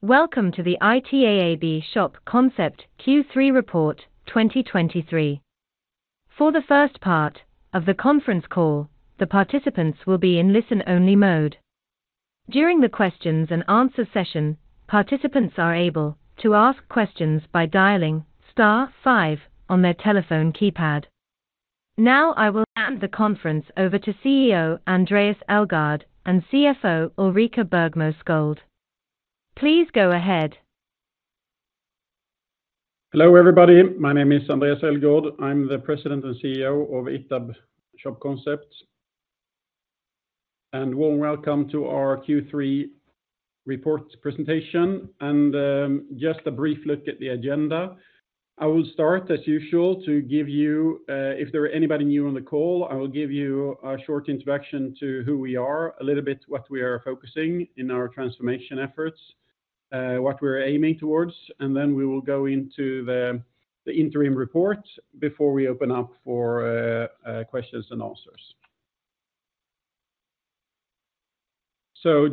Welcome to the ITAB Shop Concept Q3 Report 2023. For the first part of the conference call, the participants will be in listen-only mode. During the questions and answer session, participants are able to ask questions by dialing star five on their telephone keypad. Now, I will hand the conference over to CEO, Andréas Elgaard, and CFO, Ulrika Bergmo Sköld. Please go ahead. Hello, everybody. My name is Andréas Elgaard. I'm the President and CEO of ITAB Shop Concept. Warm welcome to our Q3 report presentation, and just a brief look at the agenda. I will start, as usual, to give you, if there are anybody new on the call, I will give you a short introduction to who we are, a little bit what we are focusing in our transformation efforts, what we're aiming towards, and then we will go into the interim report before we open up for questions and answers.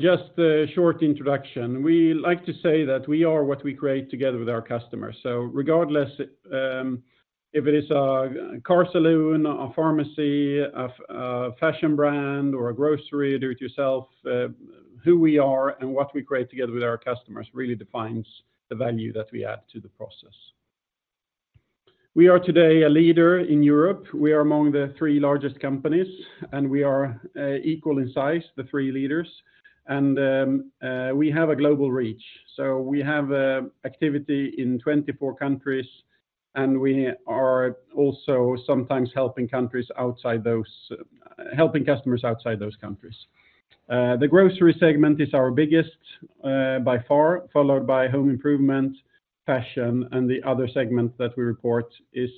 Just a short introduction. We like to say that we are what we create together with our customers. So regardless, if it is a car salon, a pharmacy, a fashion brand, or a grocery, do-it-yourself, who we are and what we create together with our customers really defines the value that we add to the process. We are today a leader in Europe. We are among the three largest companies, and we are equal in size, the three leaders, and we have a global reach. So we have activity in 24 countries, and we are also sometimes helping customers outside those countries. The grocery segment is our biggest by far, followed by home improvement, fashion, and the other segment that we report is.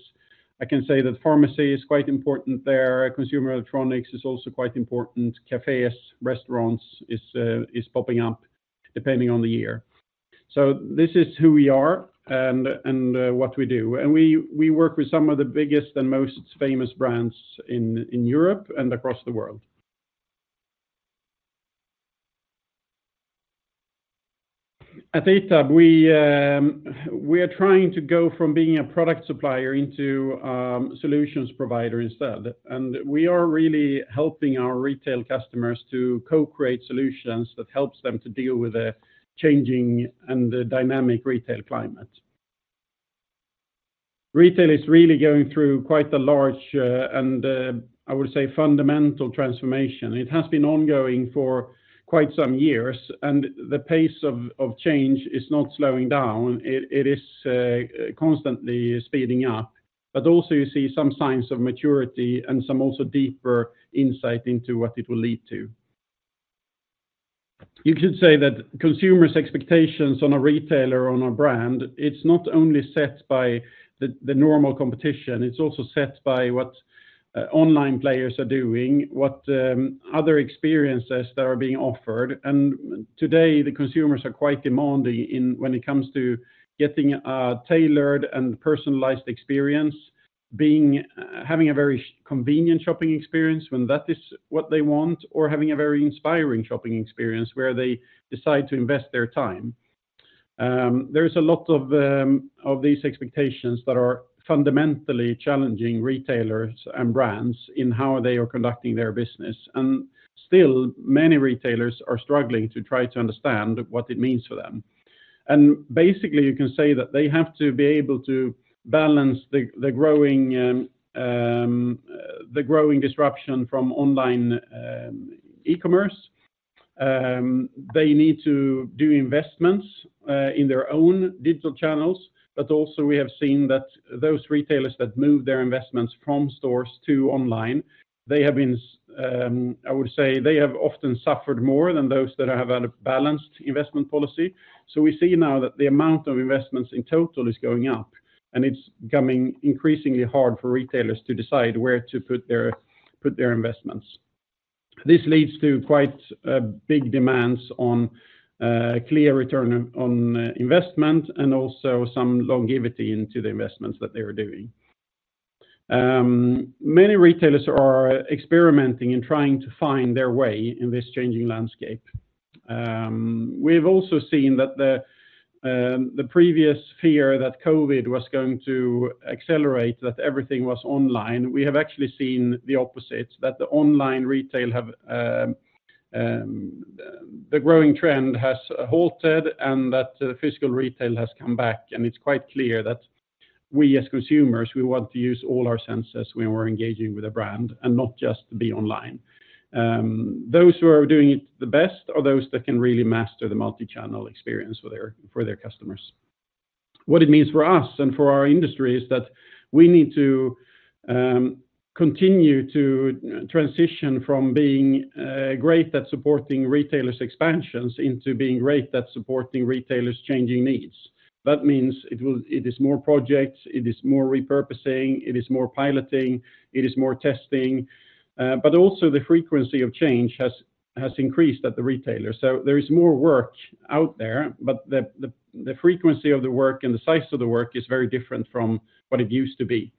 I can say that pharmacy is quite important there. Consumer electronics is also quite important. Cafes, restaurants is popping up depending on the year. So this is who we are and what we do. We work with some of the biggest and most famous brands in Europe and across the world. At ITAB, we are trying to go from being a product supplier into solutions provider instead, and we are really helping our retail customers to co-create solutions that helps them to deal with the changing and the dynamic retail climate. Retail is really going through quite a large and I would say, fundamental transformation. It has been ongoing for quite some years, and the pace of change is not slowing down. It is constantly speeding up, but also you see some signs of maturity and some also deeper insight into what it will lead to. You could say that consumers' expectations on a retailer, on a brand, it's not only set by the normal competition, it's also set by what online players are doing, what other experiences that are being offered. Today, the consumers are quite demanding in when it comes to getting a tailored and personalized experience, having a very convenient shopping experience when that is what they want, or having a very inspiring shopping experience where they decide to invest their time. There's a lot of these expectations that are fundamentally challenging retailers and brands in how they are conducting their business, and still, many retailers are struggling to try to understand what it means for them. Basically, you can say that they have to be able to balance the growing disruption from online e-commerce. They need to do investments in their own digital channels, but also we have seen that those retailers that move their investments from stores to online, they have been, I would say, they have often suffered more than those that have had a balanced investment policy. So we see now that the amount of investments in total is going up, and it's becoming increasingly hard for retailers to decide where to put their investments. This leads to quite big demands on clear return on investment and also some longevity into the investments that they are doing. Many retailers are experimenting and trying to find their way in this changing landscape. We've also seen that the previous fear that COVID was going to accelerate, that everything was online. We have actually seen the opposite, that the online retail have the growing trend has halted and that the physical retail has come back, and it's quite clear that we, as consumers, we want to use all our senses when we're engaging with a brand and not just be online. Those who are doing it the best are those that can really master the multi-channel experience for their customers. What it means for us and for our industry is that we need to continue to transition from being great at supporting retailers' expansions into being great at supporting retailers' changing needs. That means it is more projects, it is more repurposing, it is more piloting, it is more testing, but also the frequency of change has increased at the retailer. So there is more work out there, but the frequency of the work and the size of the work is very different from what it used to be.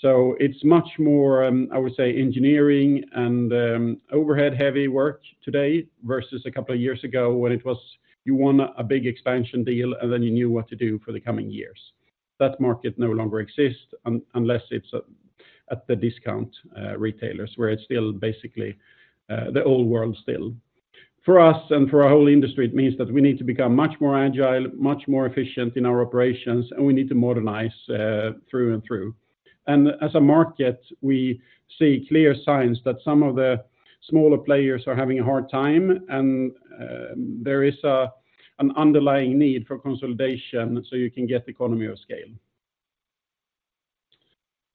So it's much more, I would say, engineering and overhead-heavy work today versus a couple of years ago when it was, you won a big expansion deal, and then you knew what to do for the coming years. That market no longer exists, unless it's at the discount retailers, where it's still basically the old world still. For us and for our whole industry, it means that we need to become much more agile, much more efficient in our operations, and we need to modernize through and through. As a market, we see clear signs that some of the smaller players are having a hard time, and there is an underlying need for consolidation, so you can get economy of scale.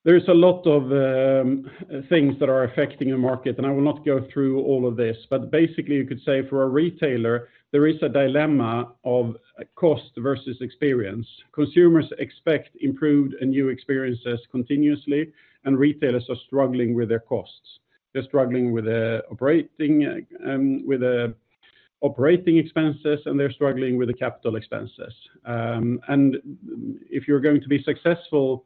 There's a lot of things that are affecting the market, and I will not go through all of this, but basically, you could say for a retailer, there is a dilemma of cost versus experience. Consumers expect improved and new experiences continuously, and retailers are struggling with their costs. They're struggling with the operating expenses, and they're struggling with the capital expenses. And if you're going to be successful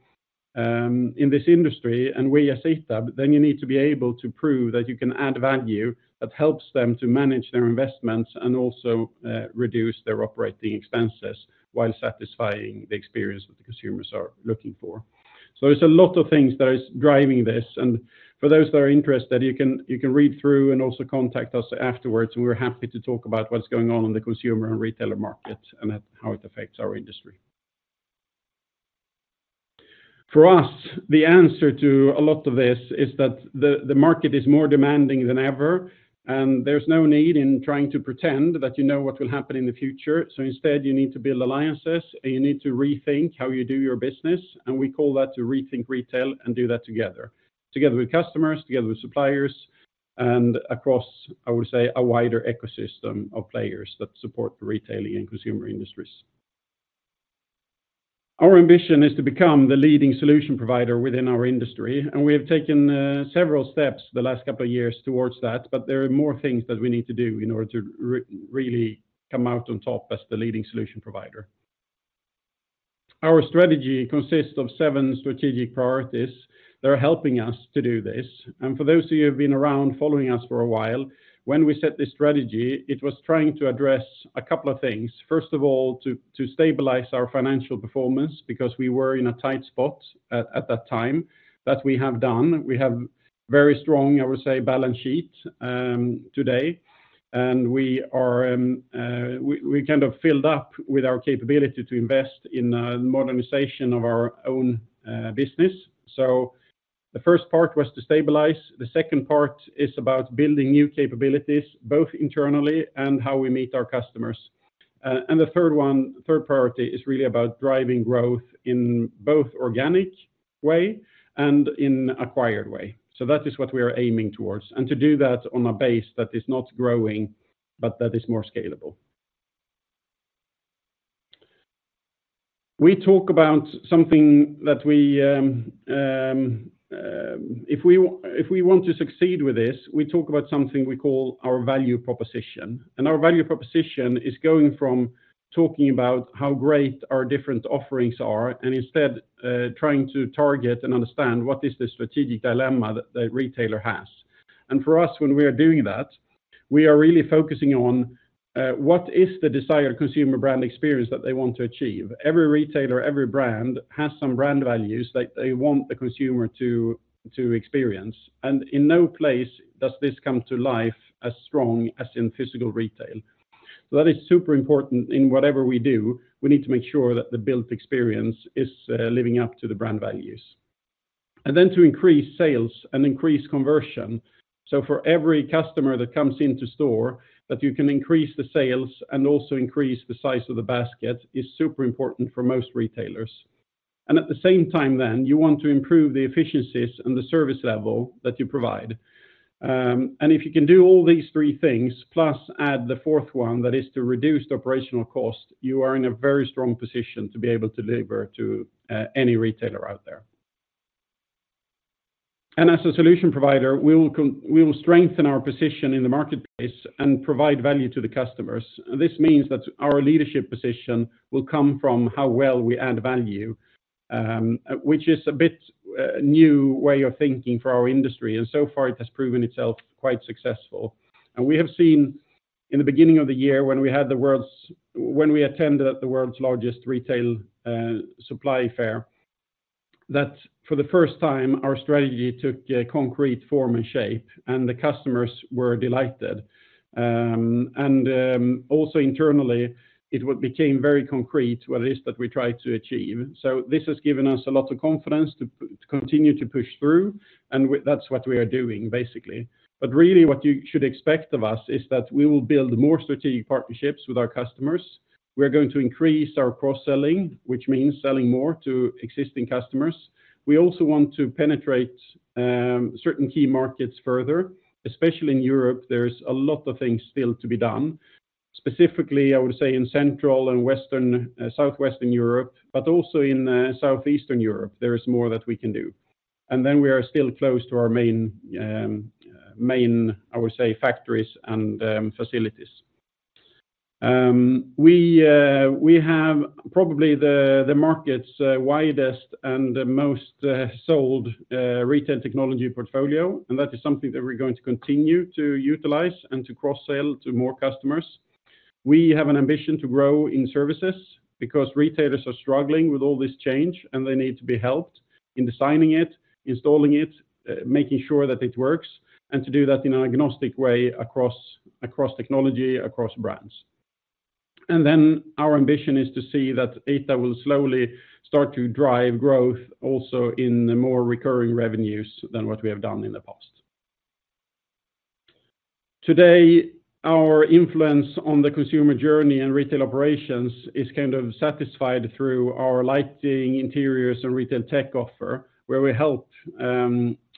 in this industry and we as ITAB, then you need to be able to prove that you can add value that helps them to manage their investments and also reduce their operating expenses while satisfying the experience that the consumers are looking for. So there's a lot of things that is driving this, and for those that are interested, you can, you can read through and also contact us afterwards, and we're happy to talk about what's going on in the consumer and retailer market and at how it affects our industry. For us, the answer to a lot of this is that the market is more demanding than ever, and there's no need in trying to pretend that you know what will happen in the future. So instead, you need to build alliances, and you need to rethink how you do your business. And we call that to rethink retail and do that together. Together with customers, together with suppliers, and across, I would say, a wider ecosystem of players that support the retailing and consumer industries. Our ambition is to become the leading solution provider within our industry, and we have taken several steps the last couple of years towards that, but there are more things that we need to do in order to really come out on top as the leading solution provider. Our strategy consists of seven strategic priorities that are helping us to do this. And for those who have been around following us for a while, when we set this strategy, it was trying to address a couple of things. First of all, to stabilize our financial performance because we were in a tight spot at that time, that we have done. We have a very strong, I would say, balance sheet today, and we are kind of filled up with our capability to invest in modernization of our own business. So the first part was to stabilize, the second part is about building new capabilities, both internally and how we meet our customers. And the third one, third priority is really about driving growth in both organic way and in acquired way. So that is what we are aiming towards. And to do that on a base that is not growing, but that is more scalable. If we want to succeed with this, we talk about something we call our value proposition, and our value proposition is going from talking about how great our different offerings are, and instead, trying to target and understand what is the strategic dilemma that the retailer has. And for us, when we are doing that, we are really focusing on what is the desired consumer brand experience that they want to achieve? Every retailer, every brand, has some brand values that they want the consumer to experience, and in no place does this come to life as strong as in physical retail. So that is super important in whatever we do. We need to make sure that the built experience is living up to the brand values. And then to increase sales and increase conversion. So for every customer that comes into store, that you can increase the sales and also increase the size of the basket is super important for most retailers. At the same time then, you want to improve the efficiencies and the service level that you provide. And if you can do all these three things, plus add the fourth one, that is to reduce the operational cost, you are in a very strong position to be able to deliver to any retailer out there. And as a solution provider, we will strengthen our position in the marketplace and provide value to the customers. This means that our leadership position will come from how well we add value, which is a bit new way of thinking for our industry, and so far it has proven itself quite successful. And we have seen in the beginning of the year, when we had the world's- when we attended at the world's largest retail supply fair, that for the first time, our strategy took a concrete form and shape, and the customers were delighted. Also internally, it would became very concrete, what it is that we try to achieve. So this has given us a lot of confidence to, to continue to push through, and that's what we are doing, basically. But really, what you should expect of us is that we will build more strategic partnerships with our customers. We're going to increase our cross-selling, which means selling more to existing customers. We also want to penetrate certain key markets further, especially in Europe, there's a lot of things still to be done. Specifically, I would say, in Central and Western, Southwestern Europe, but also in Southeastern Europe, there is more that we can do. And then we are still close to our main, I would say, factories and facilities. We have probably the market's widest and the most sold retail technology portfolio, and that is something that we're going to continue to utilize and to cross-sell to more customers. We have an ambition to grow in services because retailers are struggling with all this change, and they need to be helped in designing it, installing it, making sure that it works, and to do that in an agnostic way across technology, across brands. Then our ambition is to see that ITAB will slowly start to drive growth also in the more recurring revenues than what we have done in the past. Today, our influence on the consumer journey and retail operations is kind of satisfied through our lighting, interiors, and Retail Tech offer, where we help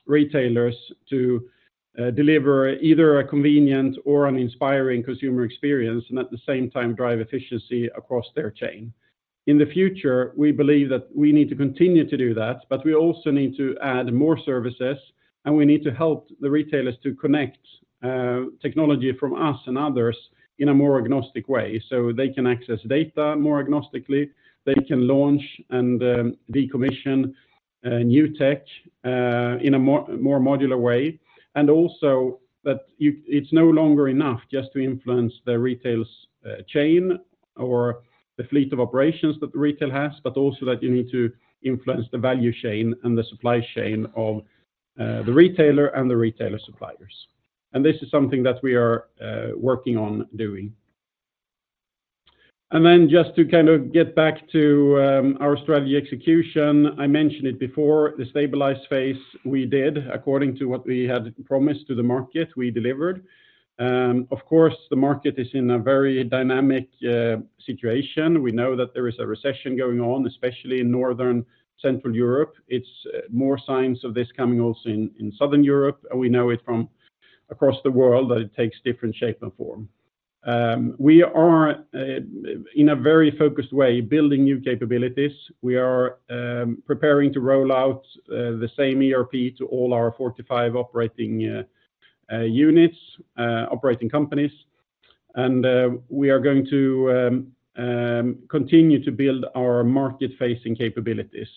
retailers to deliver either a convenient or an inspiring consumer experience, and at the same time, drive efficiency across their chain. In the future, we believe that we need to continue to do that, but we also need to add more services, and we need to help the retailers to connect technology from us and others in a more agnostic way, so they can access data more agnostically, they can launch and decommission new tech in a more modular way. And also, that you-- it's no longer enough just to influence the retail's chain or the fleet of operations that the retail has, but also that you need to influence the value chain and the supply chain of, the retailer and the retailer suppliers. And this is something that we are working on doing. And then just to kind of get back to our strategy execution, I mentioned it before, the stabilized phase we did. According to what we had promised to the market, we delivered. Of course, the market is in a very dynamic situation. We know that there is a recession going on, especially in Northern, Central Europe. It's more signs of this coming also in Southern Europe, and we know it from across the world, that it takes different shape and form. We are, in a very focused way, building new capabilities. We are preparing to roll out the same ERP to all our 45 operating units and operating companies. And we are going to continue to build our market-facing capabilities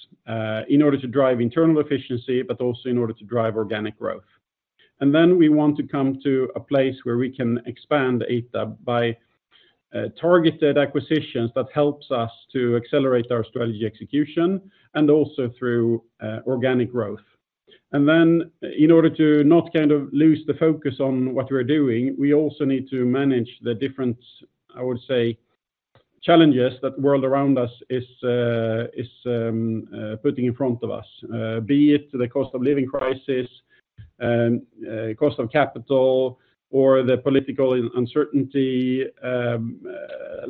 in order to drive internal efficiency, but also in order to drive organic growth. And then we want to come to a place where we can expand ITAB by targeted acquisitions that helps us to accelerate our strategy execution and also through organic growth. And then in order to not kind of lose the focus on what we're doing, we also need to manage the different, I would say, challenges that world around us is putting in front of us, be it the cost of living crisis, cost of capital, or the political uncertainty,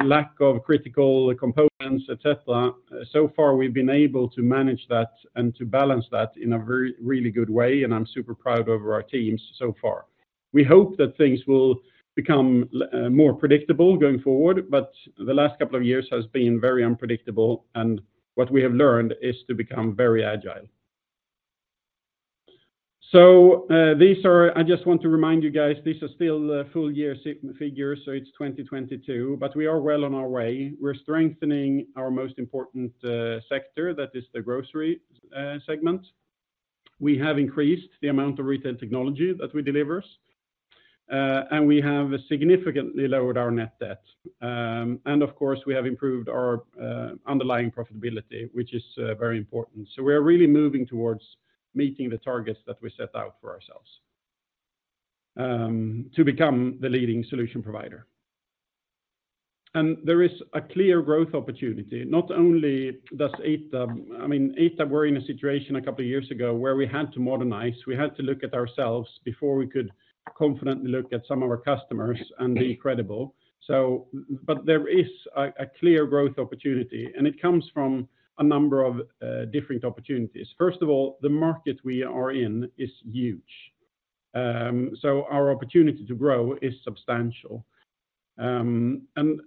lack of critical components, et cetera. So far, we've been able to manage that and to balance that in a very really good way, and I'm super proud of our teams so far. We hope that things will become more predictable going forward, but the last couple of years has been very unpredictable, and what we have learned is to become very agile. So, these are... I just want to remind you guys, these are still full-year figures, so it's 2022, but we are well on our way. We're strengthening our most important sector, that is the grocery segment. We have increased the amount of retail technology that we delivers, and we have significantly lowered our net debt. And of course, we have improved our underlying profitability, which is very important. So we are really moving towards meeting the targets that we set out for ourselves, to become the leading solution provider. And there is a clear growth opportunity. Not only does ITAB, I mean, ITAB were in a situation a couple of years ago where we had to modernize. We had to look at ourselves before we could confidently look at some of our customers and be credible. So, but there is a clear growth opportunity, and it comes from a number of different opportunities. First of all, the market we are in is huge. So our opportunity to grow is substantial. And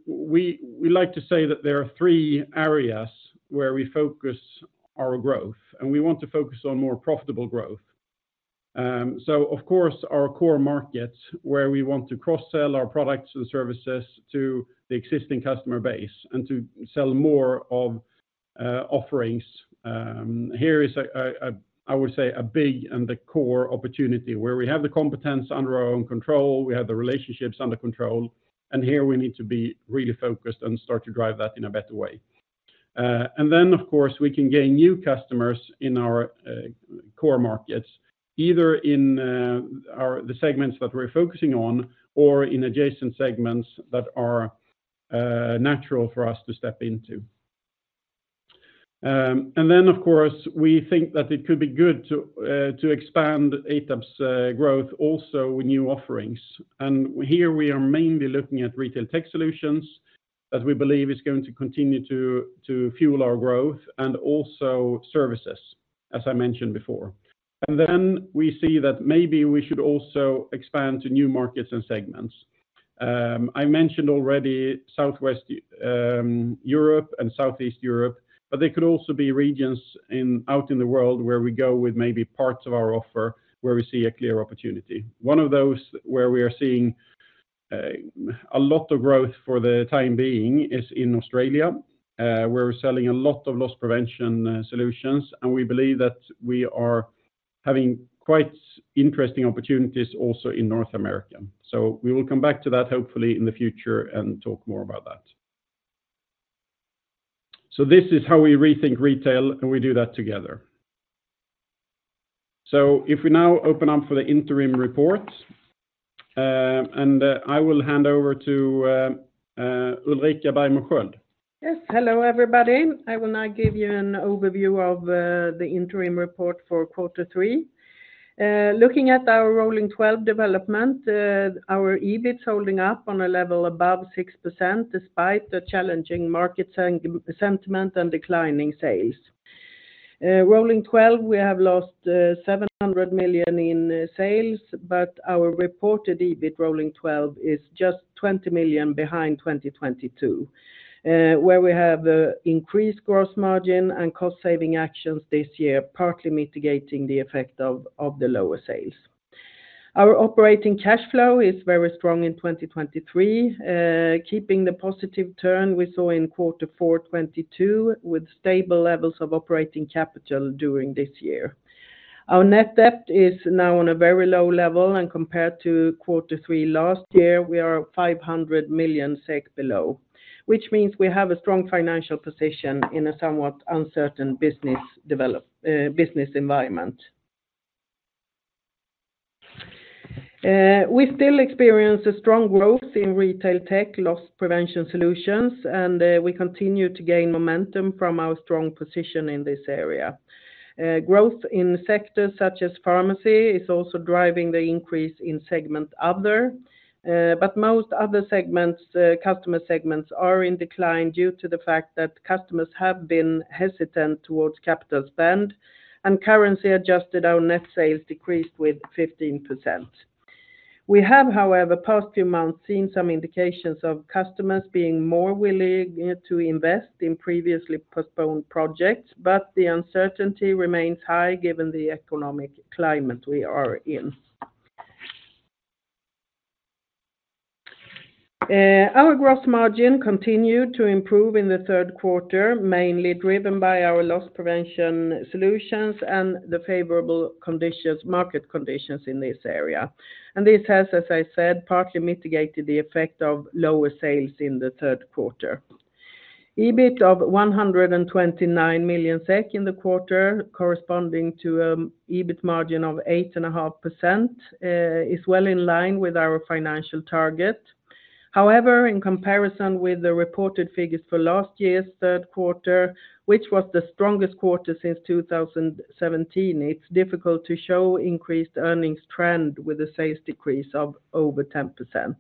we like to say that there are three areas where we focus our growth, and we want to focus on more profitable growth. So of course, our core markets, where we want to cross-sell our products and services to the existing customer base and to sell more of offerings. Here is, I would say, a big and the core opportunity where we have the competence under our own control, we have the relationships under control, and here we need to be really focused and start to drive that in a better way. And then, of course, we can gain new customers in our core markets, either in our the segments that we're focusing on or in adjacent segments that are natural for us to step into. And then, of course, we think that it could be good to expand ITAB's growth also with new offerings. And here we are mainly looking at retail tech solutions, as we believe it's going to continue to fuel our growth, and also services, as I mentioned before. And then we see that maybe we should also expand to new markets and segments. I mentioned already Southwestern Europe and Southeastern Europe, but there could also be regions out in the world where we go with maybe parts of our offer, where we see a clear opportunity. One of those where we are seeing-... A lot of growth for the time being is in Australia, where we're selling a lot of loss prevention solutions, and we believe that we are having quite interesting opportunities also in North America. So we will come back to that, hopefully, in the future and talk more about that. So this is how we rethink retail, and we do that together. So if we now open up for the interim report, and I will hand over to Ulrika Bergmo Sköld. Yes. Hello, everybody. I will now give you an overview of the interim report for quarter three. Looking at our rolling twelve development, our EBIT is holding up on a level above 6%, despite the challenging market sentiment and declining sales. Rolling twelve, we have lost 700 million in sales, but our reported EBIT rolling twelve is just 20 million behind 2022, where we have increased gross margin and cost saving actions this year, partly mitigating the effect of the lower sales. Our operating cash flow is very strong in 2023, keeping the positive turn we saw in quarter four 2022, with stable levels of operating capital during this year. Our net debt is now on a very low level, and compared to quarter three last year, we are 500 million SEK below, which means we have a strong financial position in a somewhat uncertain business environment. We still experience a strong growth in retail tech, loss prevention solutions, and we continue to gain momentum from our strong position in this area. Growth in sectors such as pharmacy is also driving the increase in segment other, but most other segments, customer segments are in decline due to the fact that customers have been hesitant towards capital spend, and currency-adjusted, our net sales decreased 15%. We have, however, past few months, seen some indications of customers being more willing to invest in previously postponed projects, but the uncertainty remains high, given the economic climate we are in. Our gross margin continued to improve in the third quarter, mainly driven by our loss prevention solutions and the favorable conditions, market conditions in this area. And this has, as I said, partly mitigated the effect of lower sales in the third quarter. EBIT of 129 million SEK in the quarter, corresponding to EBIT margin of 8.5%, is well in line with our financial target. However, in comparison with the reported figures for last year's third quarter, which was the strongest quarter since 2017, it's difficult to show increased earnings trend with a sales decrease of over 10%.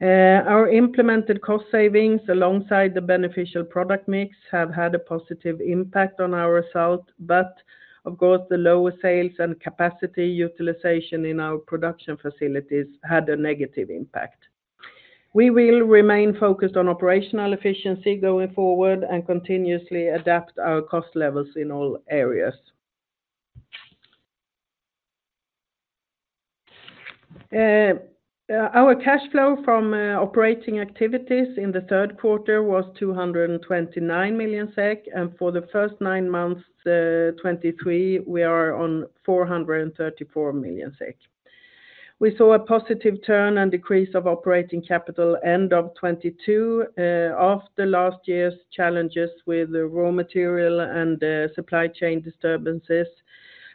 Our implemented cost savings, alongside the beneficial product mix, have had a positive impact on our result, but of course, the lower sales and capacity utilization in our production facilities had a negative impact. We will remain focused on operational efficiency going forward and continuously adapt our cost levels in all areas. Our cash flow from operating activities in the third quarter was 229 million SEK, and for the first nine months, 2023, we are on 434 million SEK. We saw a positive turn and decrease of operating capital end of 2022, after last year's challenges with the raw material and supply chain disturbances.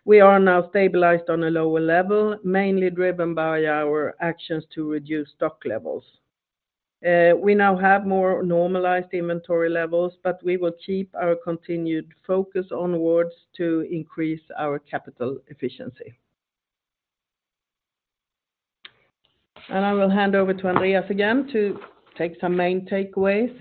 We are now stabilized on a lower level, mainly driven by our actions to reduce stock levels. We now have more normalized inventory levels, but we will keep our continued focus onwards to increase our capital efficiency. I will hand over to Andréas again to take some main takeaways.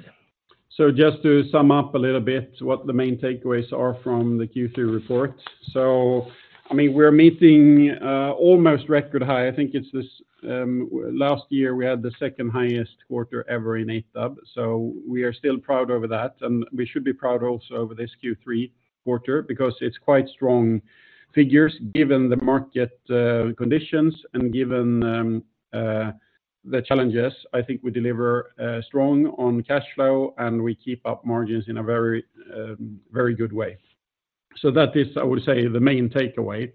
So just to sum up a little bit what the main takeaways are from the Q3 report. So, I mean, we're meeting almost record high. I think it's this, last year, we had the second-highest quarter ever in ITAB, so we are still proud over that, and we should be proud also over this Q3 quarter because it's quite strong figures, given the market conditions and given the challenges. I think we deliver strong on cash flow, and we keep up margins in a very, very good way. So that is, I would say, the main takeaway.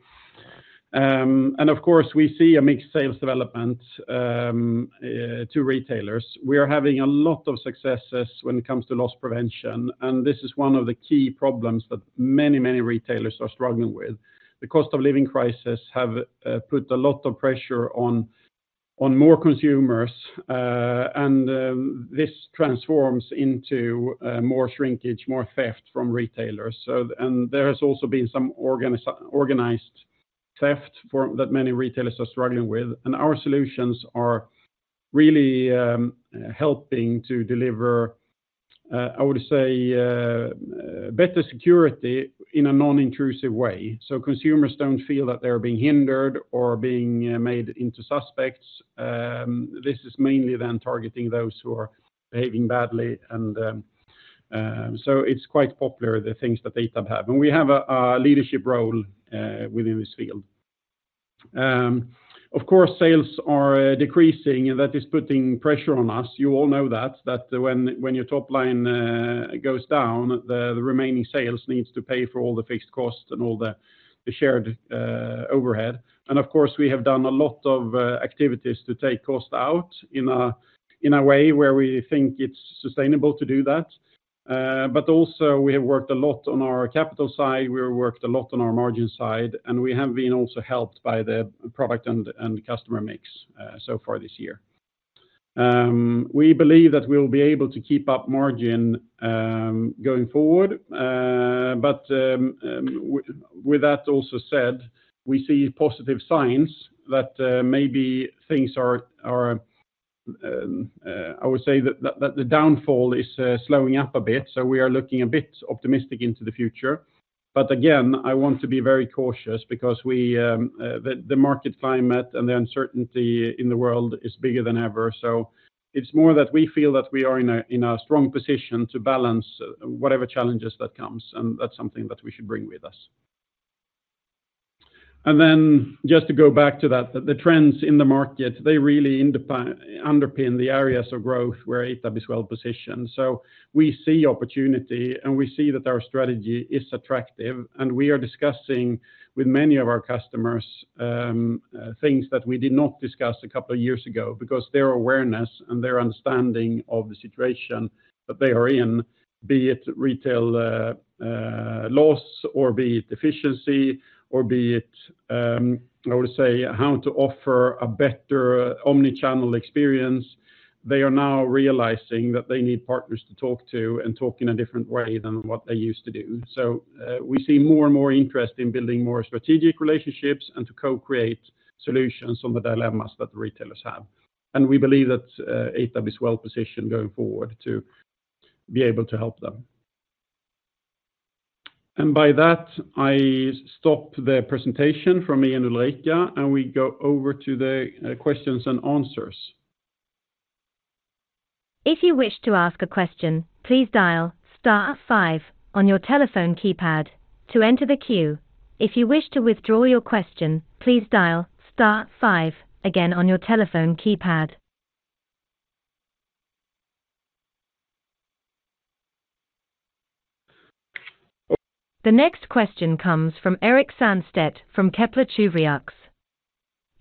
And of course, we see a mixed sales development to retailers. We are having a lot of successes when it comes to loss prevention, and this is one of the key problems that many, many retailers are struggling with. The cost of living crisis have put a lot of pressure on more consumers, and this transforms into more shrinkage, more theft from retailers. So, and there has also been some organized theft that many retailers are struggling with, and our solutions are really helping to deliver, I would say, better security in a non-intrusive way, so consumers don't feel that they're being hindered or being made into suspects. This is mainly then targeting those who are behaving badly, and so it's quite popular, the things that they have. And we have a leadership role within this field. Of course, sales are decreasing, and that is putting pressure on us. You all know that when your top line goes down, the remaining sales needs to pay for all the fixed costs and all the shared overhead. And of course, we have done a lot of activities to take cost out in a way where we think it's sustainable to do that. But also we have worked a lot on our capital side, we worked a lot on our margin side, and we have been also helped by the product and customer mix so far this year. We believe that we'll be able to keep up margin going forward. But with that also said, we see positive signs that maybe things are slowing up a bit, so we are looking a bit optimistic into the future. But again, I want to be very cautious because the market climate and the uncertainty in the world is bigger than ever. So it's more that we feel that we are in a strong position to balance whatever challenges that comes, and that's something that we should bring with us. And then just to go back to that, the trends in the market, they really underpin the areas of growth where ITAB is well-positioned. So we see opportunity, and we see that our strategy is attractive, and we are discussing with many of our customers, things that we did not discuss a couple of years ago. Because their awareness and their understanding of the situation that they are in, be it retail, loss, or be it efficiency, or be it, I would say, how to offer a better omnichannel experience, they are now realizing that they need partners to talk to and talk in a different way than what they used to do. So, we see more and more interest in building more strategic relationships and to co-create solutions on the dilemmas that the retailers have. And we believe that, ITAB is well-positioned going forward to be able to help them. And by that, I stop the presentation from me and Ulrika, and we go over to the questions and answers. If you wish to ask a question, please dial star five on your telephone keypad to enter the queue. If you wish to withdraw your question, please dial star five again on your telephone keypad. The next question comes from Erik Sandstedt from Kepler Cheuvreux.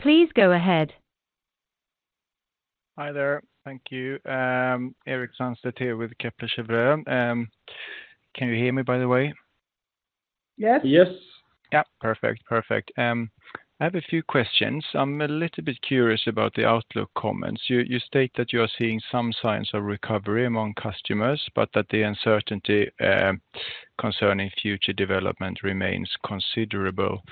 Please go ahead. Hi there. Thank you. Erik Sandstedt here with Kepler Cheuvreux. Can you hear me, by the way? Yes. Yes. Yeah, perfect. Perfect. I have a few questions. I'm a little bit curious about the outlook comments. You, you state that you are seeing some signs of recovery among customers, but that the uncertainty concerning future development remains considerable.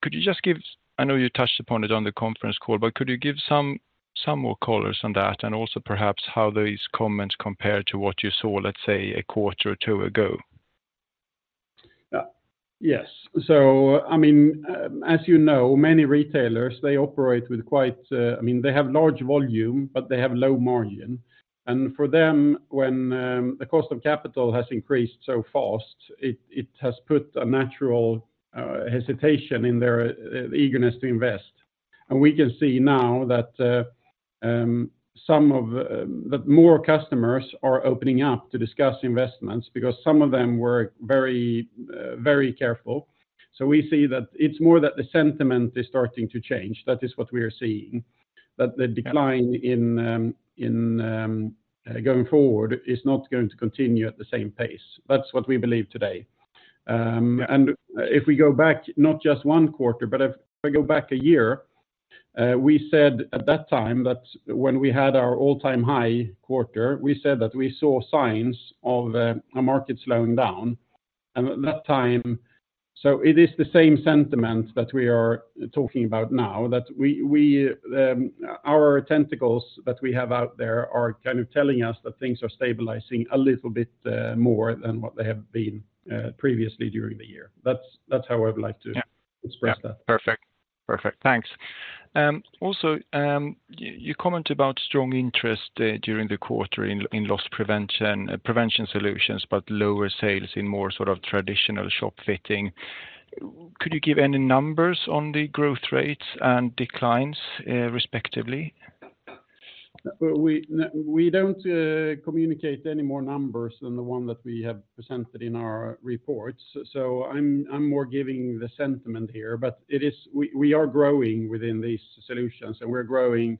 Could you just give? I know you touched upon it on the conference call, but could you give some, some more colors on that, and also perhaps how these comments compare to what you saw, let's say, a quarter or two ago? Yes. So, I mean, as you know, many retailers, they operate with quite, I mean, they have large volume, but they have low margin. And for them, when the cost of capital has increased so fast, it has put a natural hesitation in their eagerness to invest. And we can see now that that more customers are opening up to discuss investments because some of them were very, very careful. So we see that it's more that the sentiment is starting to change. That is what we are seeing. That the decline going forward is not going to continue at the same pace. That's what we believe today. And if we go back, not just one quarter, but if we go back a year, we said at that time that when we had our all-time high quarter, we said that we saw signs of a market slowing down. And at that time, so it is the same sentiment that we are talking about now, that we our tentacles that we have out there are kind of telling us that things are stabilizing a little bit more than what they have been previously during the year. That's how I would like to- Yeah... Express that. Yeah. Perfect. Perfect. Thanks. Also, you comment about strong interest during the quarter in loss prevention solutions, but lower sales in more sort of traditional shop fitting. Could you give any numbers on the growth rates and declines, respectively? We don't communicate any more numbers than the one that we have presented in our reports, so I'm more giving the sentiment here. But it is. We are growing within these solutions, and we're growing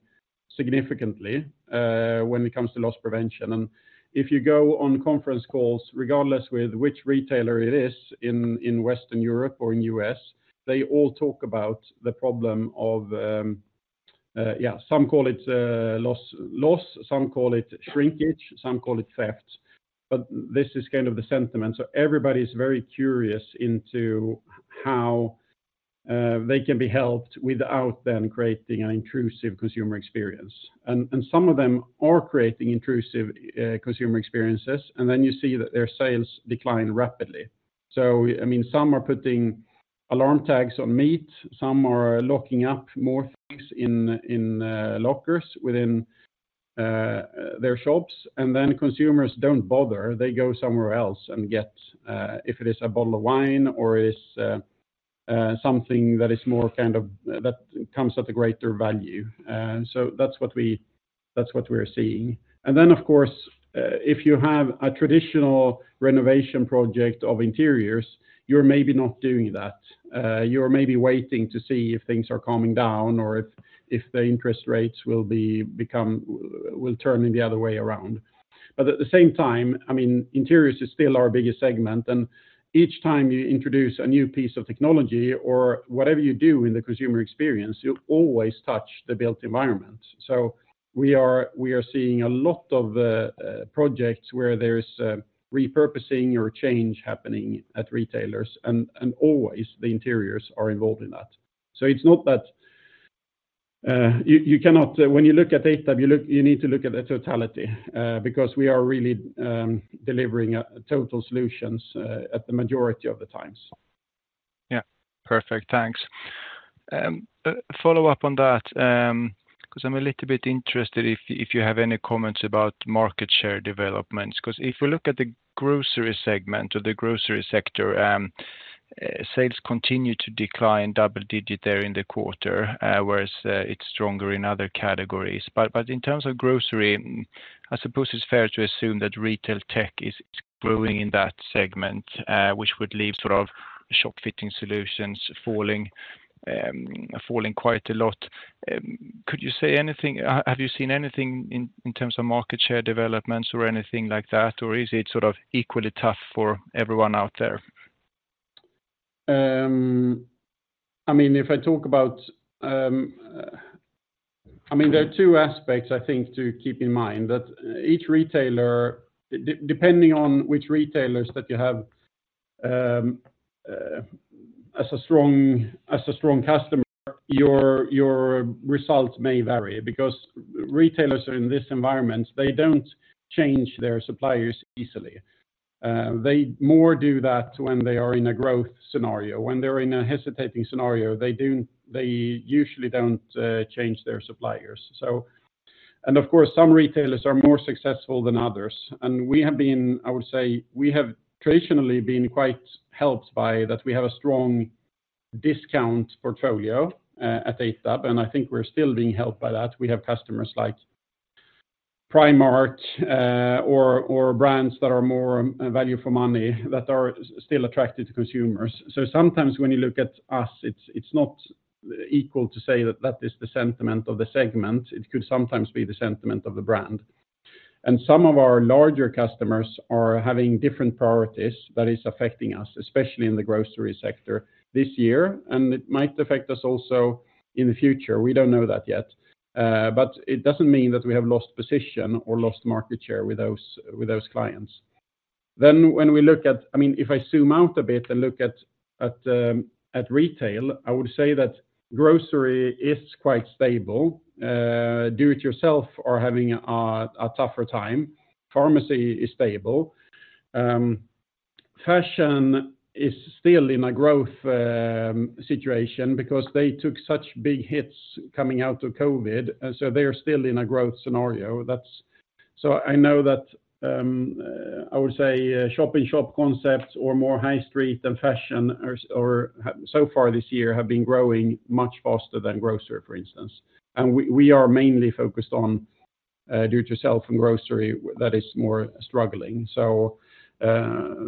significantly when it comes to loss prevention. And if you go on conference calls, regardless with which retailer it is in Western Europe or in U.S., they all talk about the problem of some call it loss, some call it shrinkage, some call it theft, but this is kind of the sentiment. So everybody is very curious into how they can be helped without then creating an intrusive consumer experience. And some of them are creating intrusive consumer experiences, and then you see that their sales decline rapidly.... So, I mean, some are putting alarm tags on meat, some are locking up more things in lockers within their shops, and then consumers don't bother. They go somewhere else and get if it is a bottle of wine or is something that is more kind of that comes at a greater value. So that's what we, that's what we're seeing. And then, of course, if you have a traditional renovation project of interiors, you're maybe not doing that. You're maybe waiting to see if things are calming down or if the interest rates will turn in the other way around. But at the same time, I mean, interiors is still our biggest segment, and each time you introduce a new piece of technology or whatever you do in the consumer experience, you always touch the built environment. So we are seeing a lot of projects where there's repurposing or change happening at retailers, and always the interiors are involved in that. So it's not that you cannot. When you look at data, you need to look at the totality, because we are really delivering total solutions at the majority of the times. Yeah, perfect. Thanks. Follow up on that, because I'm a little bit interested if you, if you have any comments about market share developments, because if we look at the grocery segment or the grocery sector, sales continue to decline double-digit there in the quarter, whereas it's stronger in other categories. But, but in terms of grocery, I suppose it's fair to assume that retail tech is growing in that segment, which would leave sort of shop fitting solutions falling, falling quite a lot. Could you say anything, have you seen anything in, in terms of market share developments or anything like that, or is it sort of equally tough for everyone out there? I mean, if I talk about, there are two aspects, I think, to keep in mind, that each retailer, depending on which retailers that you have, as a strong customer, your results may vary, because retailers are in this environment, they don't change their suppliers easily. They more do that when they are in a growth scenario. When they're in a hesitating scenario, they usually don't change their suppliers. So. And of course, some retailers are more successful than others, and we have been, I would say, we have traditionally been quite helped by that we have a strong discount portfolio at Axfood, and I think we're still being helped by that. We have customers like Primark, or brands that are more value for money, that are still attracted to consumers. So sometimes when you look at us, it's not equal to say that that is the sentiment of the segment. It could sometimes be the sentiment of the brand. And some of our larger customers are having different priorities that is affecting us, especially in the grocery sector this year, and it might affect us also in the future. We don't know that yet, but it doesn't mean that we have lost position or lost market share with those clients. Then when we look at—I mean, if I zoom out a bit and look at retail, I would say that grocery is quite stable. Do-it-yourself are having a tougher time. Pharmacy is stable. Fashion is still in a growth situation because they took such big hits coming out of COVID, and so they are still in a growth scenario. That's- so I know that, I would say, shop-in-shop concepts or more high street and fashion are, or so far this year, have been growing much faster than grocery, for instance. And we are mainly focused on do it yourself and grocery, that is more struggling. So,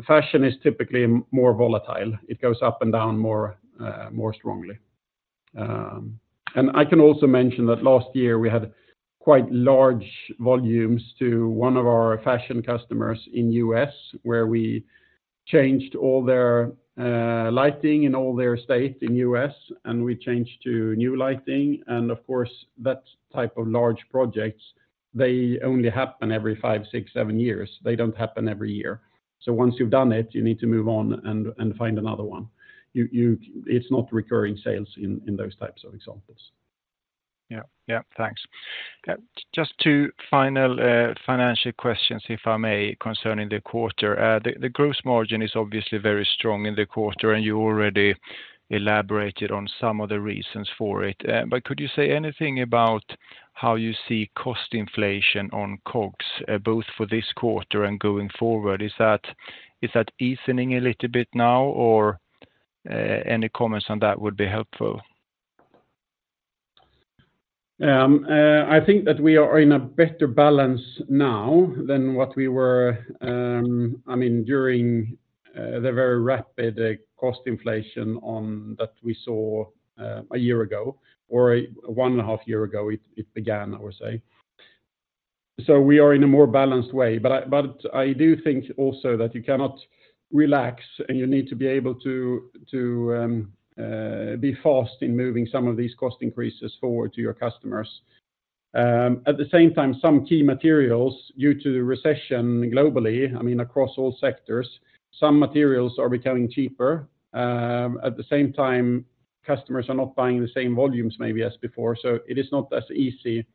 fashion is typically more volatile. It goes up and down more, more strongly. And I can also mention that last year we had quite large volumes to one of our fashion customers in U.S., where we changed all their lighting in all their states in U.S., and we changed to new lighting. Of course, that type of large projects, they only happen every five, six, seven years. They don't happen every year. So once you've done it, you need to move on and find another one. It's not recurring sales in those types of examples. Yeah. Yeah, thanks. Just two final financial questions, if I may, concerning the quarter. The gross margin is obviously very strong in the quarter, and you already elaborated on some of the reasons for it. But could you say anything about how you see cost inflation on COGS, both for this quarter and going forward? Is that easing a little bit now, or any comments on that would be helpful. I think that we are in a better balance now than what we were, I mean, during the very rapid cost inflation on that we saw, a year ago, or one and a half years ago, it began, I would say. So we are in a more balanced way, but I, but I do think also that you cannot relax and you need to be able to be fast in moving some of these cost increases forward to your customers. At the same time, some key materials, due to the recession globally, I mean, across all sectors, some materials are becoming cheaper. At the same time, customers are not buying the same volumes maybe as before, so it is not as easy-...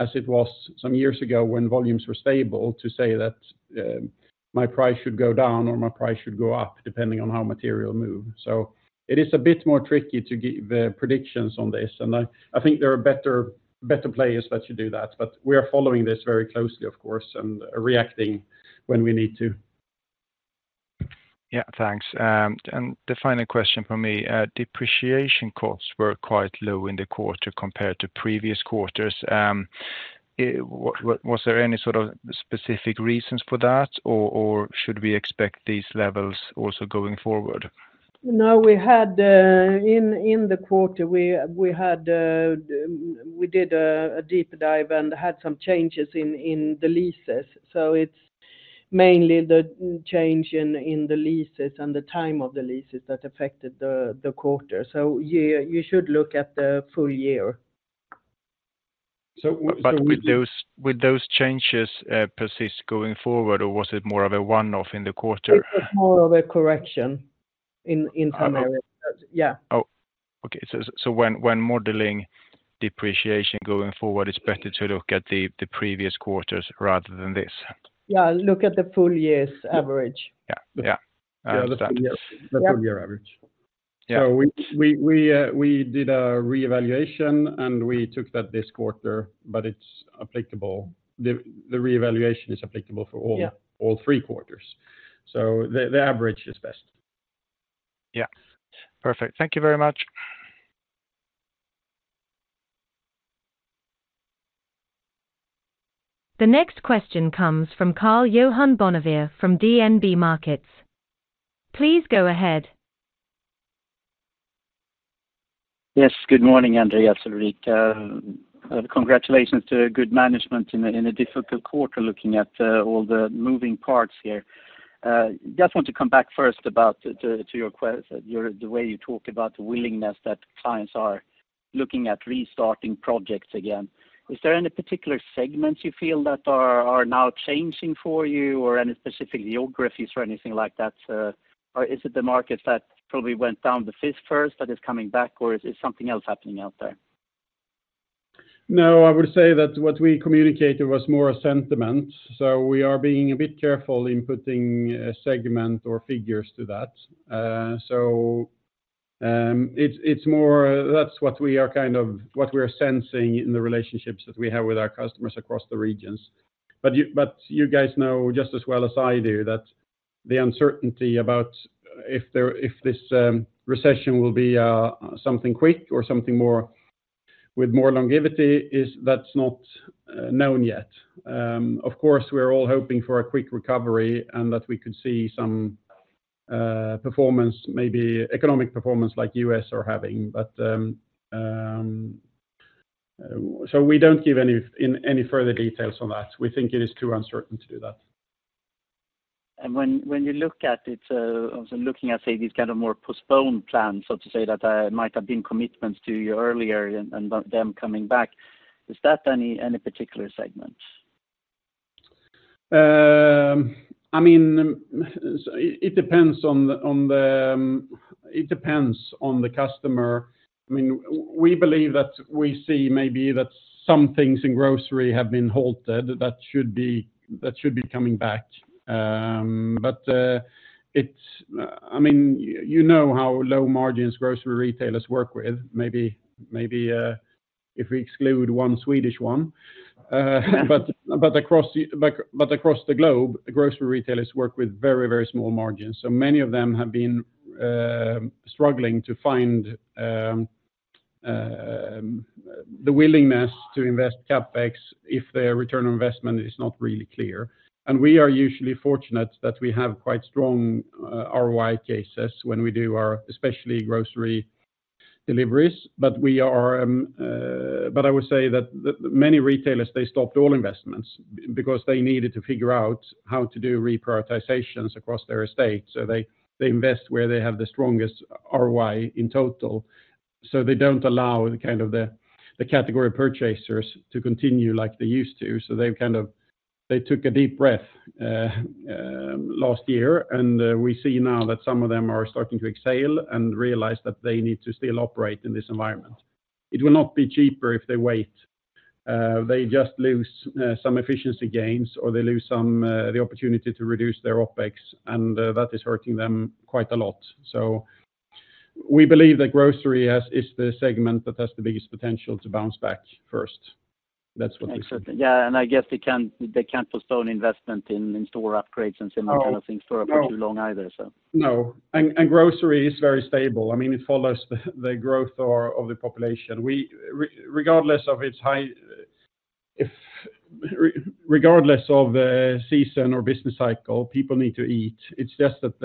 As it was some years ago when volumes were stable, to say that my price should go down or my price should go up, depending on how material moves. So it is a bit more tricky to give predictions on this, and I think there are better players that should do that. But we are following this very closely, of course, and reacting when we need to. Yeah, thanks. And the final question from me, depreciation costs were quite low in the quarter compared to previous quarters. Was there any sort of specific reasons for that, or should we expect these levels also going forward? No, in the quarter, we did a deep dive and had some changes in the leases. So it's mainly the change in the leases and the time of the leases that affected the quarter. So yeah, you should look at the full year. So Would those, would those changes persist going forward, or was it more of a one-off in the quarter? It was more of a correction in some areas. Uh- Yeah. Oh, okay. So when modeling depreciation going forward, it's better to look at the previous quarters rather than this? Yeah, look at the full year's average. Yeah. Yeah. Yeah, the full year. Yeah. The full year average. Yeah. So we did a re-evaluation, and we took that this quarter, but it's applicable. The re-evaluation is applicable for all- Yeah... all three quarters, so the average is best. Yeah. Perfect. Thank you very much. The next question comes from Karl-Johan Bonnevier from DNB Markets. Please go ahead. Yes, good morning, Andréas, Ulrika. Congratulations to a good management in a difficult quarter, looking at all the moving parts here. Just want to come back first about the way you talk about the willingness that clients are looking at restarting projects again. Is there any particular segments you feel that are now changing for you, or any specific geographies or anything like that? Or is it the market that probably went down the fifth first, but is coming back, or is there something else happening out there? No, I would say that what we communicated was more a sentiment, so we are being a bit careful in putting a segment or figures to that. So, it's more, that's what we are kind of, what we're sensing in the relationships that we have with our customers across the regions. But you guys know just as well as I do that the uncertainty about if there, if this recession will be something quick or something more, with more longevity, is that's not known yet. Of course, we're all hoping for a quick recovery and that we could see some performance, maybe economic performance like U.S. are having. But, so we don't give any further details on that. We think it is too uncertain to do that. And when you look at it, also looking at, say, these kind of more postponed plans, so to say, that might have been commitments to you earlier and them coming back, is that any particular segment? I mean, it depends on the customer. I mean, we believe that we see maybe that some things in grocery have been halted that should be coming back. But, it's, I mean, you know how low margins grocery retailers work with, maybe, if we exclude one Swedish one. But across the globe, grocery retailers work with very, very small margins. So many of them have been struggling to find the willingness to invest CapEx if their return on investment is not really clear. And we are usually fortunate that we have quite strong ROI cases when we do our, especially grocery deliveries. I would say that many retailers stopped all investments because they needed to figure out how to do reprioritizations across their estate. So they invest where they have the strongest ROI in total. So they don't allow the kind of category purchasers to continue like they used to. So they've kind of took a deep breath last year, and we see now that some of them are starting to exhale and realize that they need to still operate in this environment. It will not be cheaper if they wait. They just lose some efficiency gains, or they lose some the opportunity to reduce their OpEx, and that is hurting them quite a lot. So we believe that grocery is the segment that has the biggest potential to bounce back first. That's what we think. Yeah, and I guess they can't, they can't postpone investment in in-store upgrades and similar- Oh, no... kind of things for too long either, so. No. And grocery is very stable. I mean, it follows the growth of the population. We, regardless of the season or business cycle, people need to eat. It's just that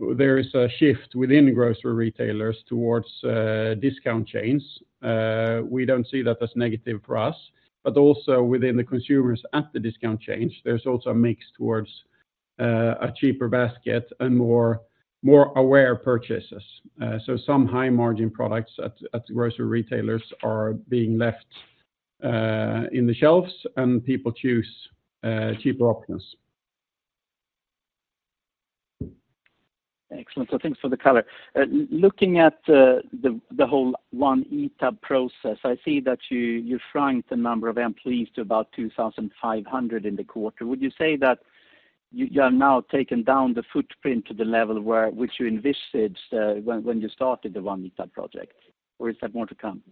there is a shift within grocery retailers towards discount chains. We don't see that as negative for us, but also within the consumers at the discount chains, there's also a mix towards a cheaper basket and more aware purchases. So some high-margin products at grocery retailers are being left in the shelves, and people choose cheaper options. ... Excellent. So thanks for the color. Looking at the whole One ITAB process, I see that you shrank the number of employees to about 2,500 in the quarter. Would you say that you have now taken down the footprint to the level which you envisaged when you started the One ITAB project, or is there more to come?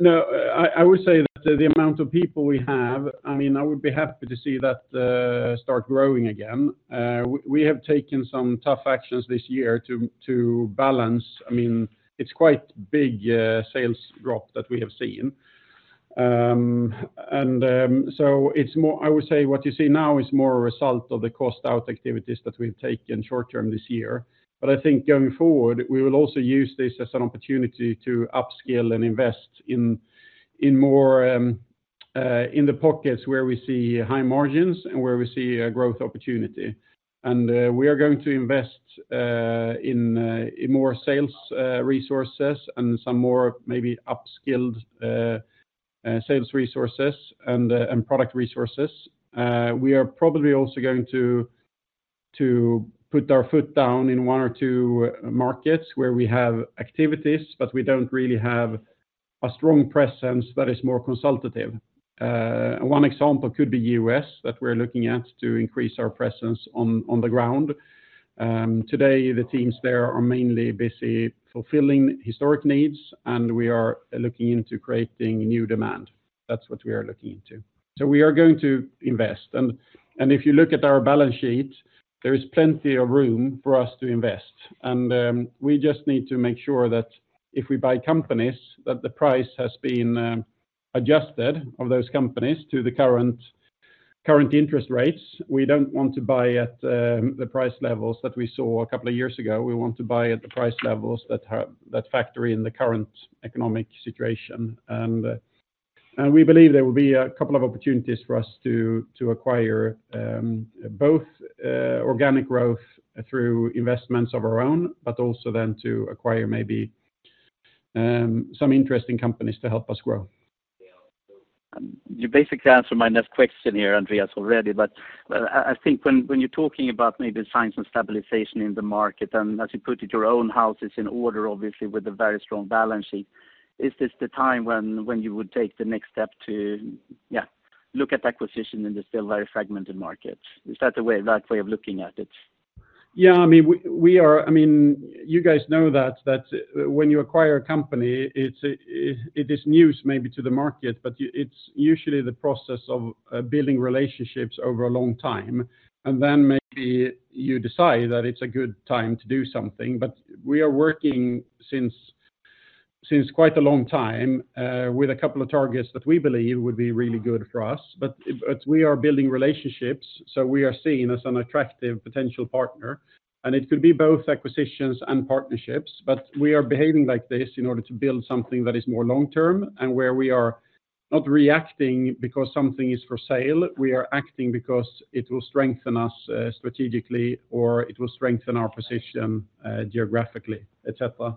No, I, I would say that the amount of people we have, I mean, I would be happy to see that start growing again. We have taken some tough actions this year to balance. I mean, it's quite big sales drop that we have seen. And so it's more I would say what you see now is more a result of the cost out activities that we've taken short term this year. But I think going forward, we will also use this as an opportunity to upskill and invest in more in the pockets where we see high margins and where we see a growth opportunity. And we are going to invest in more sales resources and some more maybe upskilled sales resources and product resources. We are probably also going to put our foot down in one or two markets where we have activities, but we don't really have a strong presence that is more consultative. One example could be U.S., that we're looking at to increase our presence on the ground. Today, the teams there are mainly busy fulfilling historic needs, and we are looking into creating new demand. That's what we are looking into. So we are going to invest. If you look at our balance sheet, there is plenty of room for us to invest. We just need to make sure that if we buy companies, that the price has been adjusted of those companies to the current interest rates. We don't want to buy at the price levels that we saw a couple of years ago. We want to buy at the price levels that factor in the current economic situation. And we believe there will be a couple of opportunities for us to acquire both organic growth through investments of our own, but also then to acquire maybe some interesting companies to help us grow. You basically answered my next question here, Andréas, already. But, I think when you're talking about maybe signs and stabilization in the market, and as you put it, your own house is in order, obviously, with a very strong balance sheet, is this the time when you would take the next step to, yeah, look at acquisition in the still very fragmented market? Is that the way, right way of looking at it? Yeah, I mean, we are. I mean, you guys know that when you acquire a company, it is news maybe to the market, but it's usually the process of building relationships over a long time. And then maybe you decide that it's a good time to do something. But we are working since quite a long time with a couple of targets that we believe would be really good for us. But we are building relationships, so we are seen as an attractive potential partner, and it could be both acquisitions and partnerships. But we are behaving like this in order to build something that is more long-term, and where we are not reacting because something is for sale, we are acting because it will strengthen us strategically or it will strengthen our position geographically, et cetera.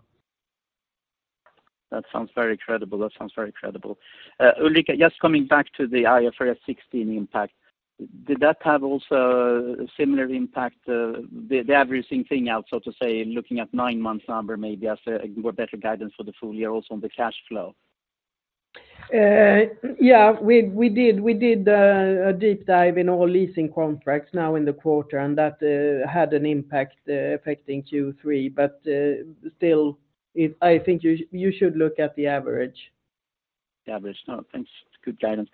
That sounds very credible. That sounds very credible. Ulrika, just coming back to the IFRS 16 impact, did that have also a similar impact, the averaging thing out, so to say, looking at nine months number, maybe as a more better guidance for the full year, also on the cash flow? Yeah, we did a deep dive in all leasing contracts now in the quarter, and that had an impact affecting Q3. But still, I think you should look at the average. Average. No, thanks. Good guidance.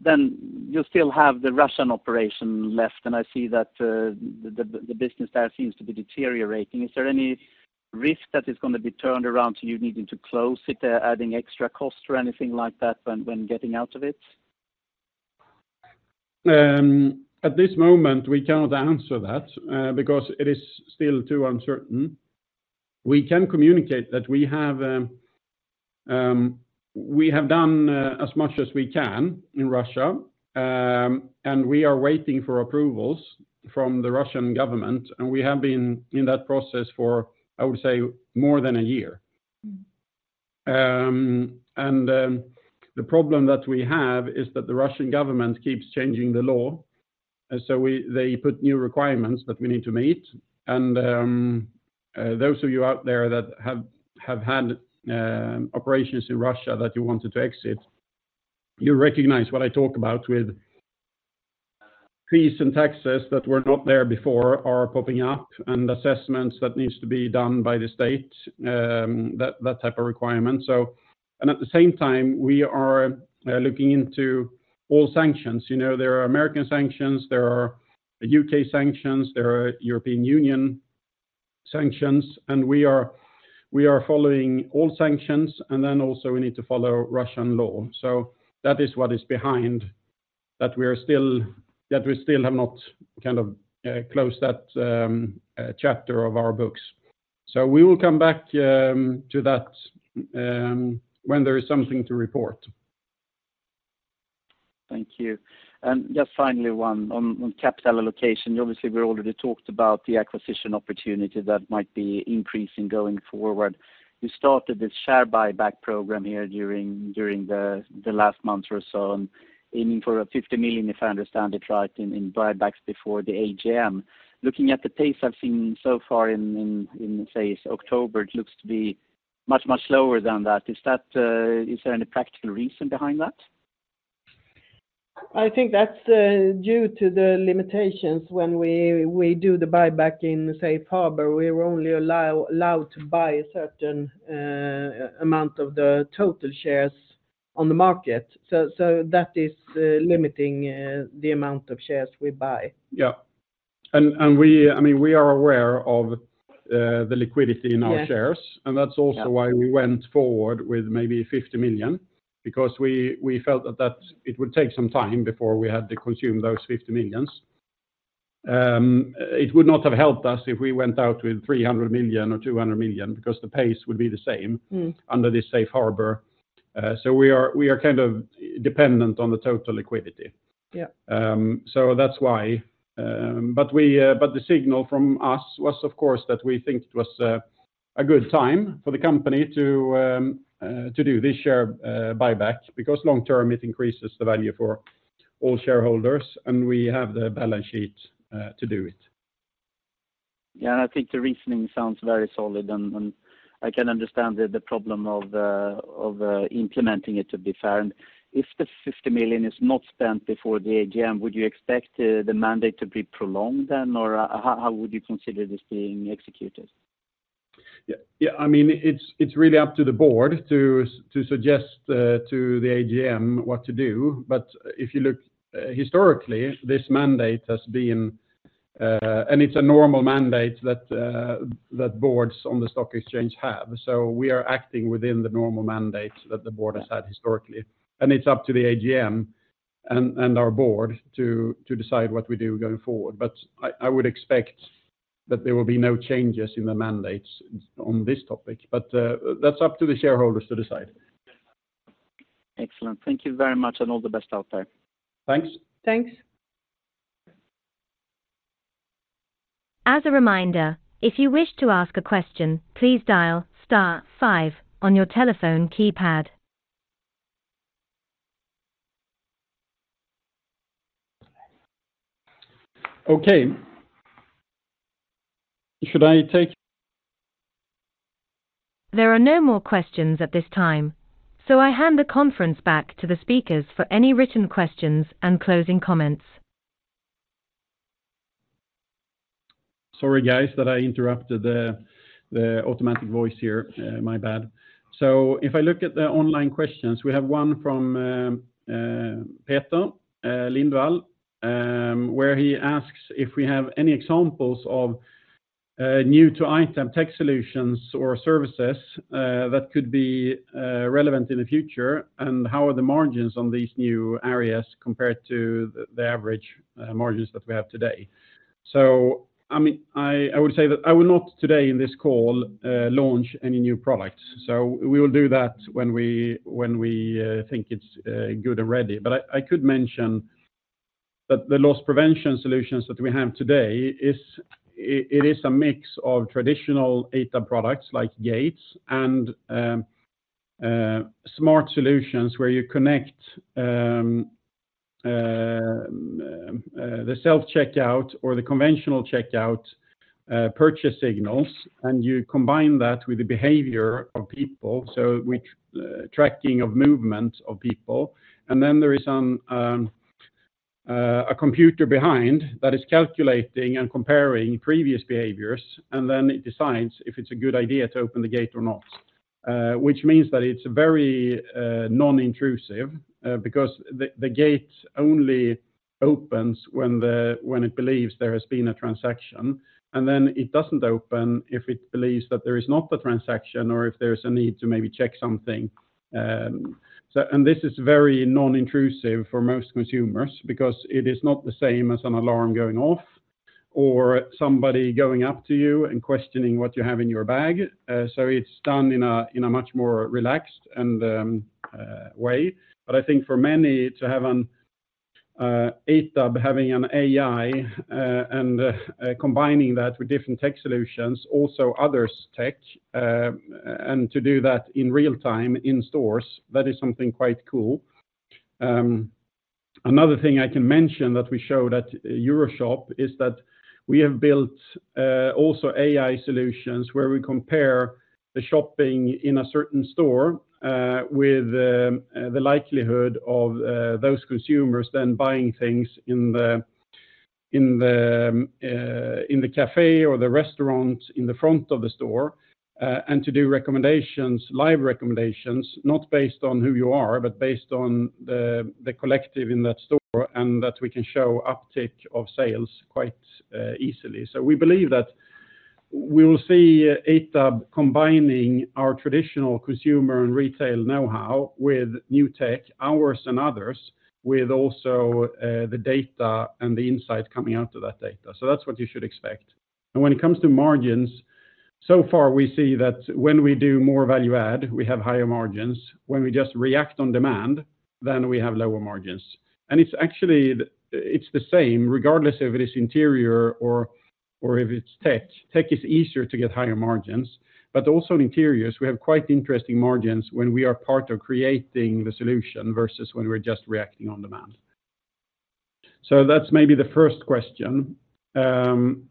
Then you still have the Russian operation left, and I see that the business there seems to be deteriorating. Is there any risk that is gonna be turned around to you needing to close it, adding extra cost or anything like that when getting out of it? At this moment, we cannot answer that, because it is still too uncertain. We can communicate that we have done as much as we can in Russia, and we are waiting for approvals from the Russian government, and we have been in that process for, I would say, more than a year. The problem that we have is that the Russian government keeps changing the law, and so they put new requirements that we need to meet. Those of you out there that have had operations in Russia that you wanted to exit, you recognize what I talk about with fees and taxes that were not there before are popping up, and assessments that needs to be done by the state, that type of requirement. So, at the same time, we are looking into all sanctions. You know, there are American sanctions, there are U.K. sanctions, there are European Union sanctions, and we are, we are following all sanctions, and then also we need to follow Russian law. So that is what is behind, that we still have not kind of closed that chapter of our books. So we will come back to that when there is something to report. Thank you. And just finally, one on capital allocation. Obviously, we already talked about the acquisition opportunity that might be increasing going forward. You started the share buyback program here during the last month or so, and aiming for 50 million, if I understand it right, in buybacks before the AGM. Looking at the pace I've seen so far in, say, October, it looks to be much lower than that. Is that, is there any practical reason behind that? I think that's due to the limitations when we do the buyback in safe harbor, we're only allowed to buy a certain amount of the total shares on the market. So that is limiting the amount of shares we buy. Yeah. And we—I mean, we are aware of the liquidity in our shares. Yeah. And that's also why we went forward with maybe 50 million, because we felt that it would take some time before we had to consume those 50 million. It would not have helped us if we went out with 300 million or 200 million, because the pace would be the same- Mm. Under this safe harbor. So we are kind of dependent on the total liquidity. Yeah. That's why. The signal from us was, of course, that we think it was a good time for the company to do this share buyback, because long term, it increases the value for all shareholders, and we have the balance sheet to do it. Yeah, and I think the reasoning sounds very solid, and I can understand the problem of implementing it, to be fair. If the 50 million is not spent before the AGM, would you expect the mandate to be prolonged then, or how would you consider this being executed? Yeah, yeah, I mean, it's really up to the board to suggest to the AGM what to do. But if you look historically, this mandate has been. And it's a normal mandate that boards on the stock exchange have. So we are acting within the normal mandate that the board has had historically. And it's up to the AGM and our board to decide what we do going forward. But I would expect that there will be no changes in the mandates on this topic, but that's up to the shareholders to decide. Excellent. Thank you very much, and all the best out there. Thanks. Thanks. As a reminder, if you wish to ask a question, please dial star five on your telephone keypad. Okay. Should I take- There are no more questions at this time, so I hand the conference back to the speakers for any written questions and closing comments. Sorry, guys, that I interrupted the automatic voice here. My bad. So if I look at the online questions, we have one from Peter Lindvall, where he asks if we have any examples of new ITAB tech solutions or services that could be relevant in the future, and how are the margins on these new areas compared to the average margins that we have today? So I mean, I would say that I will not today in this call launch any new products. So we will do that when we think it's good and ready. But I could mention that the loss prevention solutions that we have today is a mix of traditional ITAB products like Gates and smart solutions, where you connect the self-checkout or the conventional checkout purchase signals, and you combine that with the behavior of people, so with tracking of movement of people. And then there is a computer behind that is calculating and comparing previous behaviors, and then it decides if it's a good idea to open the gate or not. Which means that it's very non-intrusive, because the gate only opens when the-- when it believes there has been a transaction, and then it doesn't open if it believes that there is not a transaction or if there is a need to maybe check something. So, this is very non-intrusive for most consumers because it is not the same as an alarm going off or somebody going up to you and questioning what you have in your bag. So it's done in a much more relaxed way. But I think for many to have an ITAB having an AI and combining that with different tech solutions, also other tech, and to do that in real time in stores, that is something quite cool. Another thing I can mention that we showed at EuroShop is that we have built also AI solutions where we compare the shopping in a certain store with the likelihood of those consumers than buying things in the café or the restaurant in the front of the store, and to do recommendations, live recommendations, not based on who you are, but based on the collective in that store, and that we can show uptick of sales quite easily. So we believe that we will see ITAB combining our traditional consumer and retail know-how with new tech, ours and others, with also the data and the insight coming out of that data. So that's what you should expect. And when it comes to margins, so far, we see that when we do more value add, we have higher margins. When we just react on demand, then we have lower margins. And it's actually the same, regardless if it is interior or if it's tech. Tech is easier to get higher margins, but also in interiors, we have quite interesting margins when we are part of creating the solution versus when we're just reacting on demand. So that's maybe the first question. So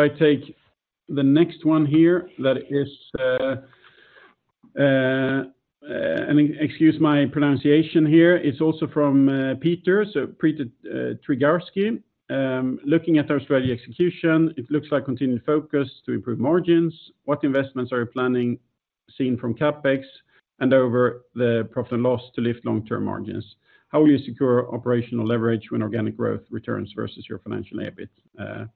I take the next one here, that is, and excuse my pronunciation here. It's also from Peter, so Peter Dragarski. Looking at our strategy execution, it looks like continued focus to improve margins. What investments are you planning, seeing from CapEx and over the profit and loss to lift long-term margins? How will you secure operational leverage when organic growth returns versus your financial EBIT?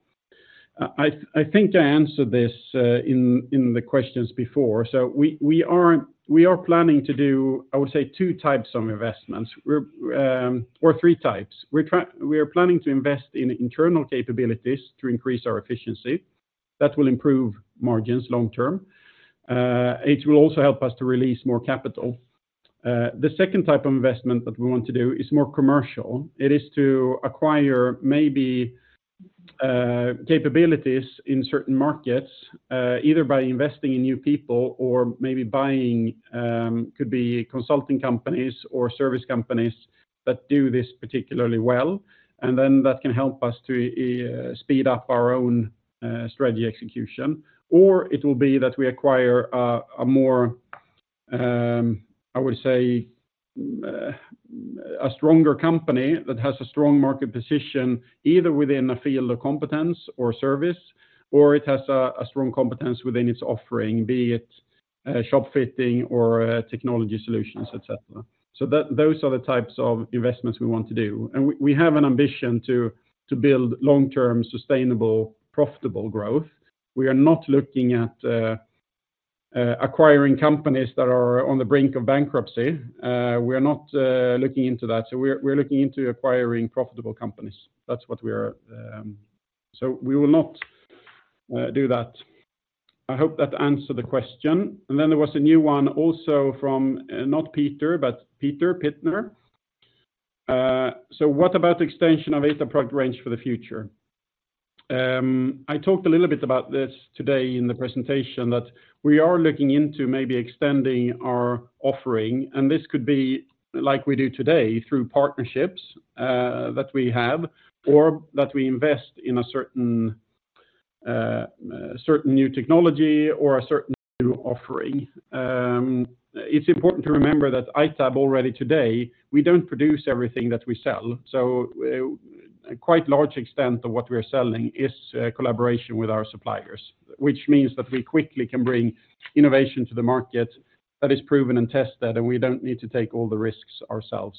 I think I answered this in the questions before. So we are planning to do, I would say, two types of investments. Or three types. We are planning to invest in internal capabilities to increase our efficiency. That will improve margins long term. It will also help us to release more capital. The second type of investment that we want to do is more commercial. It is to acquire maybe capabilities in certain markets either by investing in new people or maybe buying could be consulting companies or service companies that do this particularly well, and then that can help us to speed up our own strategy execution. Or it will be that we acquire a more, I would say, a stronger company that has a strong market position, either within a field of competence or service, or it has a strong competence within its offering, be it shop fitting or technology solutions, et cetera. So those are the types of investments we want to do. And we have an ambition to build long-term, sustainable, profitable growth. We are not looking at acquiring companies that are on the brink of bankruptcy. We are not looking into that. So we're looking into acquiring profitable companies. That's what we are. So we will not do that. I hope that answered the question. And then there was a new one also from not Peter, but Peter Lindvall. So what about the extension of ITAB product range for the future? I talked a little bit about this today in the presentation, that we are looking into maybe extending our offering, and this could be like we do today through partnerships that we have, or that we invest in a certain certain new technology or a certain new offering. It's important to remember that ITAB already today, we don't produce everything that we sell. So, a quite large extent of what we are selling is a collaboration with our suppliers, which means that we quickly can bring innovation to the market that is proven and tested, and we don't need to take all the risks ourselves.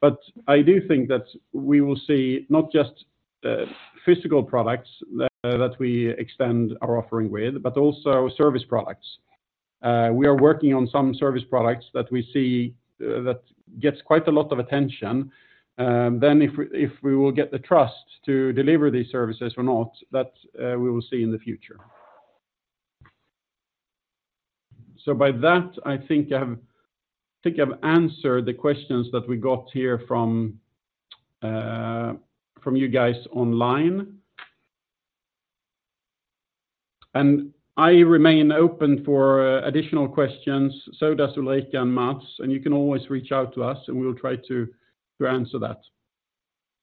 But I do think that we will see not just physical products that, that we extend our offering with, but also service products. We are working on some service products that we see that gets quite a lot of attention. Then if we will get the trust to deliver these services or not, that we will see in the future. So by that, I think I've answered the questions that we got here from you guys online. And I remain open for additional questions, so does Ulrika and Mats, and you can always reach out to us, and we will try to answer that.